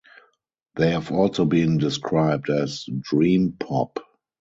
They have also been described as dream pop.